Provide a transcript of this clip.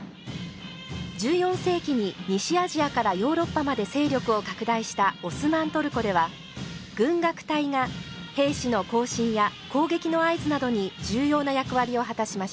１４世紀に西アジアからヨーロッパまで勢力を拡大したオスマントルコでは軍楽隊が兵士の行進や攻撃の合図などに重要な役割を果たしました。